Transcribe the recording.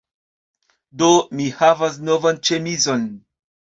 Do, mi havas novan ĉemizon